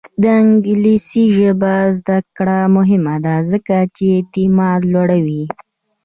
د انګلیسي ژبې زده کړه مهمه ده ځکه چې اعتماد لوړوي.